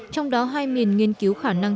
trong đó hai miền nghiên cứu khả năng